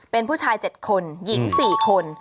เป็นผู้ชาย๗คนหญิง๔คน